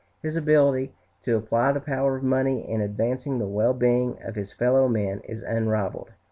His ability to apply the power of money in advancing the well being of his fellow men is unrivalled.